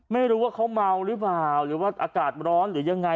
หรือว่าเขามีอาการปวดทางจิตหรือเปล่าไม่ทราบ